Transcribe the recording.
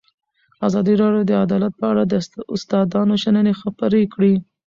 ازادي راډیو د عدالت په اړه د استادانو شننې خپرې کړي.